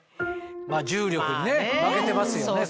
重力にね負けてますよね。